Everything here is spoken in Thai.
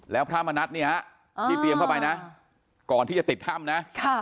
แล้วพระมณัฐเนี่ยที่เตรียมเข้าไปนะก่อนที่จะติดถ้ำนะ